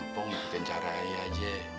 pok ngikutin caranya aja